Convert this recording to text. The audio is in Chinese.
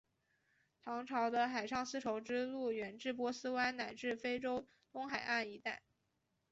唐朝的海上丝绸之路远至波斯湾乃至非洲东海岸一带。